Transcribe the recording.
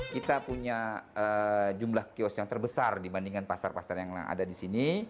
kita punya jumlah kios yang terbesar dibandingkan pasar pasar yang ada di sini